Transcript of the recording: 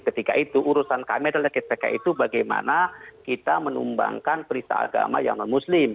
ketika itu urusan kami adalah ketika itu bagaimana kita menumbangkan perista agama yang non muslim